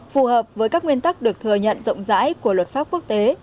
phù hợp với các nguyên tắc được thừa nhận rộng rãi của luật pháp quốc tế